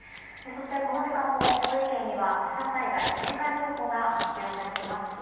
そして、この時間も福井県には土砂災害警戒情報が発表されています。